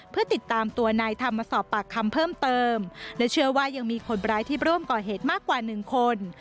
เพื่อติดตามตัวนายธรรมมาสอบปากคำเพิ่มเติมและเชื่อว่ายังมีคนร้ายที่ร่วมก่อเหตุมากกว่าหนึ่งคน